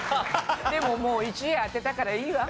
でももう１位当てたからいいわ。